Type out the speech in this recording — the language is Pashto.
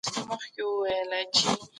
تاريخ ثابته کړې ده چي د ولس زور بېساری دی.